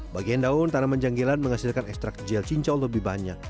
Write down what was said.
bagian daun tanaman janggilan menghasilkan ekstra kecil cincau lebih banyak